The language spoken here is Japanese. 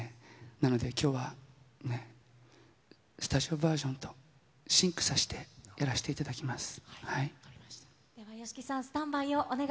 なので、きょうは、ね、スタジオバージョンとシンクさせてやらせていただきます。